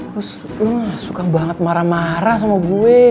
lu gak suka banget marah dua sama gue